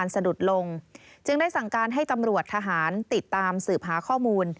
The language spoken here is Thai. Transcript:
ซึ่งได้สั่งการให้ตำรวจทหารติดตามสืบหาข้อมูล